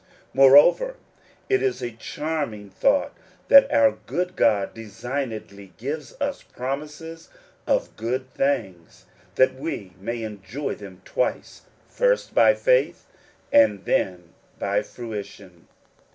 Moreover, it is a charming thought that our good God designedly gives us promises of good things that we may enjoy them twice ; first by faith, and then by fruition.